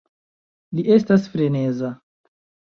Li estas freneza